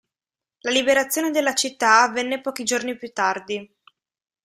La liberazione della città avvenne pochi giorni più tardi.